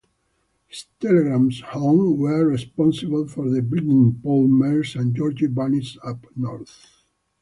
His telegrams home were responsible for bringing Paul Mares and George Brunies up north.